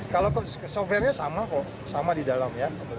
kalau sofernya sama kok sama di dalam